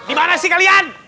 di mana sih kalian